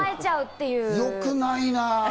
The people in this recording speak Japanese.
良くないな。